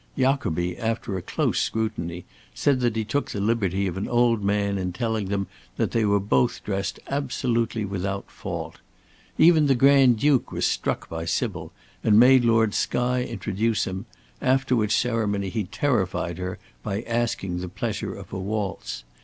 Jacobi, after a close scrutiny, said that he took the liberty of an old man in telling them that they were both dressed absolutely without fault. Even the Grand Duke was struck by Sybil, and made Lord Skye introduce him, after which ceremony he terrified her by asking the pleasure of a waltz.